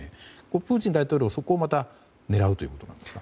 プーチン大統領はそこをまた狙うということですか。